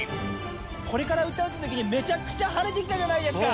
これから歌うってときに、めちゃくちゃ晴れてきたじゃないですか。